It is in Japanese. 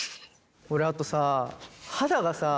俺あとさ肌がさ